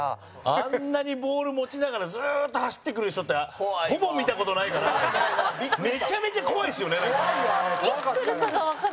あんなにボール持ちながらずっと走ってくる人ってほぼ見た事ないからめちゃめちゃ怖いですよね。